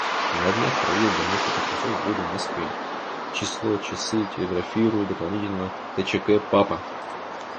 «На днях проездом несколько часов буду Москве число часы телеграфирую дополнительно тчк Папа».